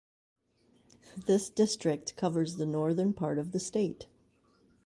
This district covers the northern part of the state.